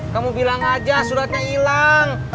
kamu bilang aja suratnya hilang